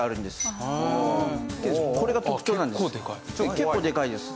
結構でかいです。